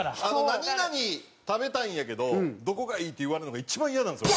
「何々食べたいんやけどどこがいい？」って言われるのが一番イヤなんですよ。